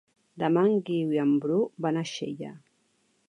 Demà en Guiu i en Bru van a Xella.